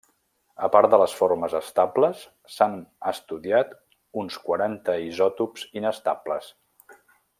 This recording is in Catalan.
A part de les formes estables, s'han estudiat uns quaranta isòtops inestables.